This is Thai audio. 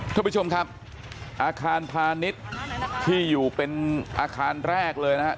ท่านผู้ชมครับอาคารพาณิชย์ที่อยู่เป็นอาคารแรกเลยนะครับ